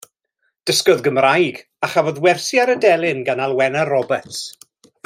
Dysgodd Gymraeg a chafodd wersi ar y delyn gan Alwena Roberts.